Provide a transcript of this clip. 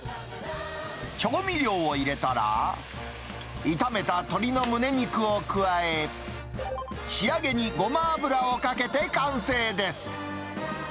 調味料を入れたら、炒めた鶏のむね肉を加え、仕上げにごま油をかけて完成です。